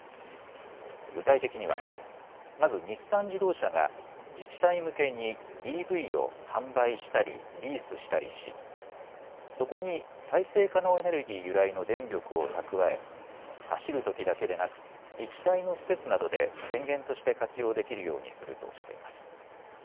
具体的には、まず日産自動車が自治体向けにＥＶを販売したりリースしたりし、そこに再生可能エネルギー由来の電力を蓄え走るときだけでなく自治体の施設などで電源として活用できるようにするとしています。